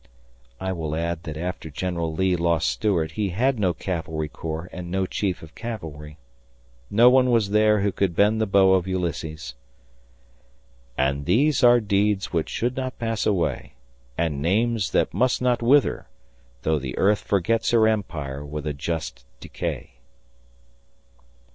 I will add that after General Lee lost Stuart he had no cavalry corps and no Chief of Cavalry. No one was there who could bend the bow of Ulysses. "And these are deeds which should not pass away And names that must not wither, though the earth Forgets her empire with a just decay."